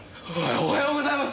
おおはようございます！